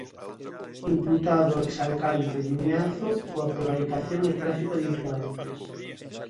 Imputado o ex alcalde de Vimianzo por prevaricación e tráfico de influencias.